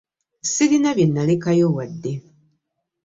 Ssirina bye nalekayo wadde.